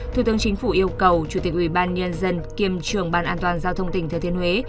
thủ tướng chính phủ yêu cầu chủ tịch ubnd kiêm trưởng ban an toàn giao thông tỉnh thừa thiên huế